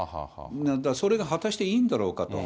それが果たしていいんだろうかと。